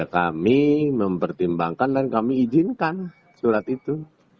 kami mempertimbangkan dan kami izinkan surat itu